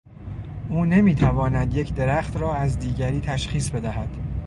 او نمیتواند یک درخت را از دیگری تشخیص بدهد.